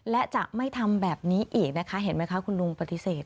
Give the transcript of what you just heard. และจะไม่ทำแบบนี้อีกนะคะเห็นไหมคะคุณลุงปฏิเสธ